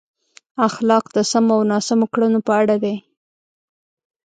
اخلاق د سمو او ناسم کړنو په اړه دي.